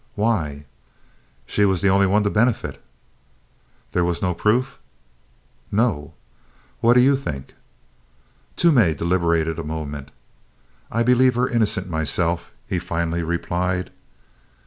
"Why?" "She was the only one to benefit." "There was no proof?" "No." "What do you think?" Toomey deliberated a moment: "I believe her innocent, myself," he finally replied.